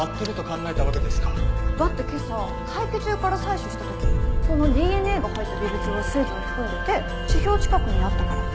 だって今朝大気中から採取した時そのＤＮＡが入った微物は水分含んでて地表近くにあったから。